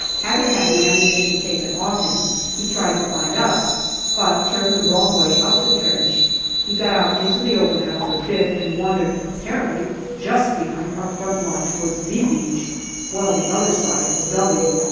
Having had the ammunition taken off him, he tried to find us, but turned the wrong way up the trench. He got out into the open after a bit and wandered apparently just behind our front line towards " V " Beach, well the other side of " W."